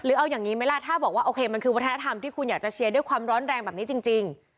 เอาอย่างนี้ไหมล่ะถ้าบอกว่าโอเคมันคือวัฒนธรรมที่คุณอยากจะเชียร์ด้วยความร้อนแรงแบบนี้จริง